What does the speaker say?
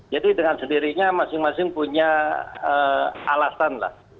jadi dengan sendirinya masing masing punya alasan lah